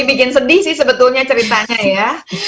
bikin sedih sih sebetulnya ceritanya ya